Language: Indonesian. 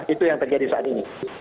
itu yang terjadi saat ini